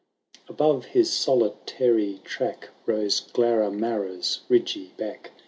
Ahove his solitary track Rose 01aramara*B ridgy back.